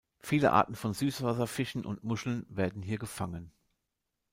Viele Arten von Süßwasserfischen und -muscheln werden hier gefangen.